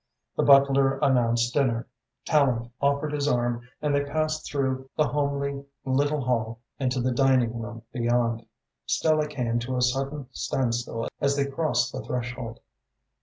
The butler announced dinner. Tallente offered his arm and they passed through the homely little hall into the dining room beyond. Stella came to a sudden standstill as they crossed the threshold.